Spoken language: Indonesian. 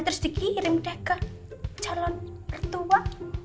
terus dikirim ke calon pertua